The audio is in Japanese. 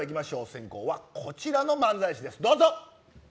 先攻はこちらの漫才師です。